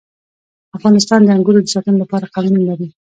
افغانستان د انګورو د ساتنې لپاره قوانین لري.